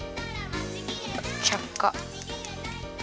ちゃっか。